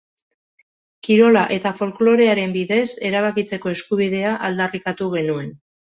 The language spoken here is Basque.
Kirola eta folklorearen bidez erabakitzeko eskubidea aldarrikatu genuen.